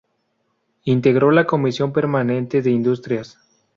Integró la comisión permanente de Industrias.